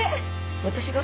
私が？